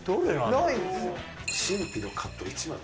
神秘のカット１番。